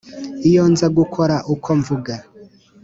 iyo nza gukora uko mvuga,